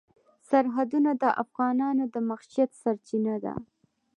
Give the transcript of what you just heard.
سرحدونه د افغانانو د معیشت سرچینه ده.